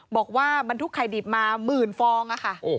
บอกว่าบรรทุกไข่ดิบมาหมื่นฟองค่ะ